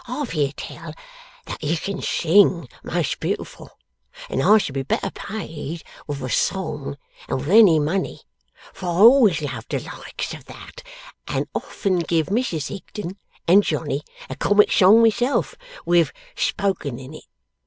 I've heerd tell that you can sing most beautiful; and I should be better paid with a song than with any money, for I always loved the likes of that, and often giv' Mrs Higden and Johnny a comic song myself, with "Spoken" in it.